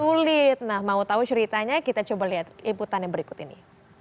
sulit nah mau tau ceritanya kita coba liat inputannya berikut ini